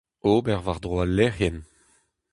Ober war-dro al lec'hienn.